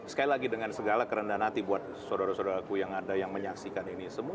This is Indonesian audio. sekali lagi dengan segala kerendahan hati buat saudara saudaraku yang ada yang menyaksikan ini semua